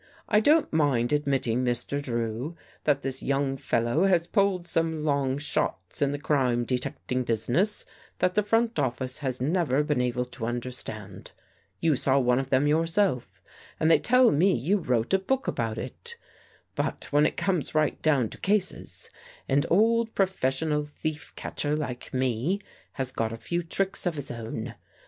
" I don't mind admit ting, Mr. Drew, that this young fellow has pulled some long shots in the crime detecting business that the front office has never been able to understand. lYou saw one of them yourself, and they tell me you wrote a book about it. But when it comes right down to cases, an old professional thief catcher like me has got a few tricks of his own.